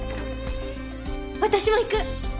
私も行く！